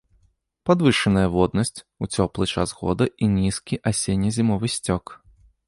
Падвышаная воднасць у цёплы час года і нізкі асенне-зімовы сцёк.